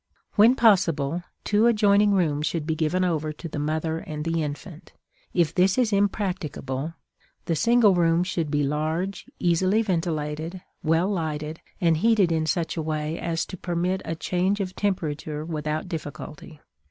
When possible, two adjoining rooms should be given over to the mother and the infant; if this is impracticable, the single room should be large, easily ventilated, well lighted, and heated in such a way as to permit a change of temperature without difficulty.